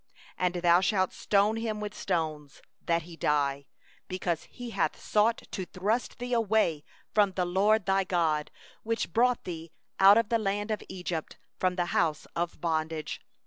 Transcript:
11And thou shalt stone him with stones, that he die; because he hath sought to draw thee away from the LORD thy God, who brought thee out of the land of Egypt, out of the house of bondage.